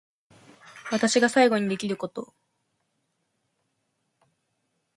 私が最後にできること